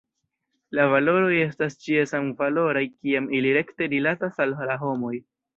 La valoroj estas ĉie samvaloraj kiam ili rekte rilatas al la homoj.